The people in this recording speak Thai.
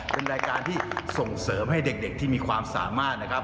เป็นรายการที่ส่งเสริมให้เด็กที่มีความสามารถนะครับ